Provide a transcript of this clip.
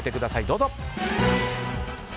どうぞ。